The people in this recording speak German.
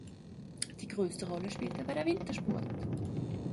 Die größte Rolle spielt dabei der Wintersport.